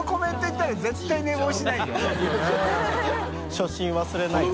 「初心忘れない」って。